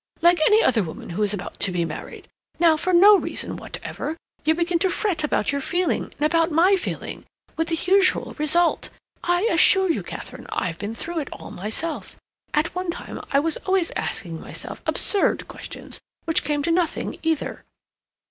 —like any other woman who is about to be married. Now, for no reason whatever, you begin to fret about your feeling and about my feeling, with the usual result. I assure you, Katharine, I've been through it all myself. At one time I was always asking myself absurd questions which came to nothing either.